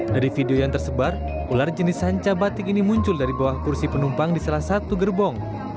dari video yang tersebar ular jenis sanca batik ini muncul dari bawah kursi penumpang di salah satu gerbong